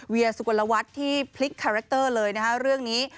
สุกลวัฒน์ที่พลิกคาแรคเตอร์เลยนะคะเรื่องนี้